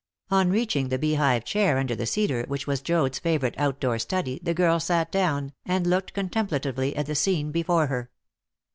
On reaching the beehive chair under the cedar, which was Joad's favourite outdoor study, the girl sat down, and looked contemplatively at the scene before her.